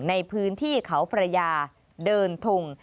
ในพื้นที่เขาพระยาเดินทง